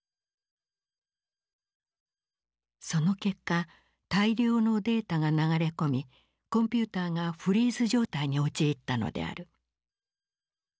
その結果大量のデータが流れ込みコンピューターがフリーズ状態に陥ったのである。